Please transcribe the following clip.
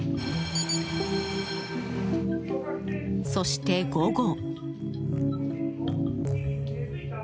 そして午後。